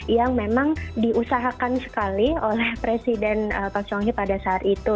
yang memang diusahakan sekali oleh presiden park chung hee pada saat itu